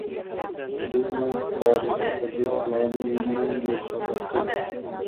دوی موږ څاري او په دې پلان یې نه یو خبر کړي